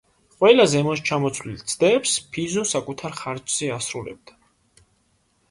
ყველა ზემოჩამოთვლილ ცდებს ფიზო საკუთარ ხარჯზე ასრულებდა.